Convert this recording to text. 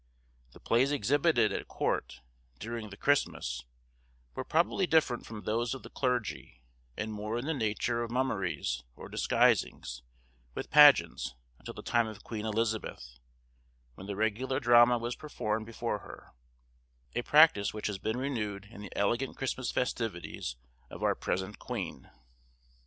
The plays exhibited at court, during the Christmas, were probably different from those of the clergy, and more in the nature of mummeries, or disguisings, with pageants, until the time of Queen Elizabeth, when the regular drama was performed before her, a practice which has been renewed in the elegant Christmas festivities of our present Queen.